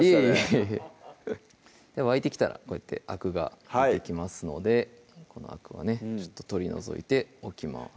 いえいえ沸いてきたらこうやってあくが出てきますのでこのあくはね取り除いておきます